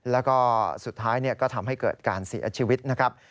แล้วก็สุดท้ายก็ทำให้เกิดการเสียชีวิตนะครับ